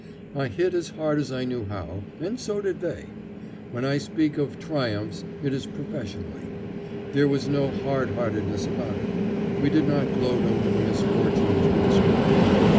I hit as hard as I knew how, and so did they. When I speak of "triumphs," it is professionally. There was no hard heartedness about it. We did not gloat over the misfortunes we described.